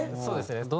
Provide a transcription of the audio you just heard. そうですね。